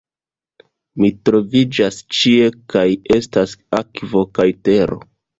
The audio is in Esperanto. "Mi troviĝas ĉie kie estas akvo kaj tero."